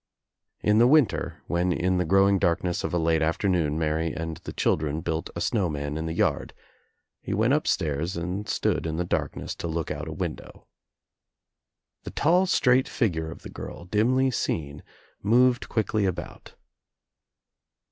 In the winter, when in the growing darkness of a late afternoon Mary and the children built a snow man in the yard, he went upstairs and stood in the darkness to look out a window. The tall straight figure of the ^rl, dimly seen, moved quickly about.